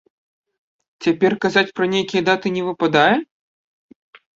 Цяпер казаць пра нейкія даты не выпадае?